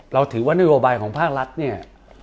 เราถือว่านโยบายของภาครัฐเนี่ย